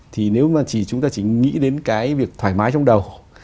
thì nếu mà chỉ chúng ta chỉ nghĩ đến cái việc thoải mái trong đầu